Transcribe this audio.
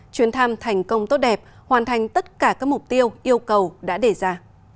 chuyến thăm thành công tốt đẹp hoàn thành tất cả các mục tiêu yêu cầu đã đề ra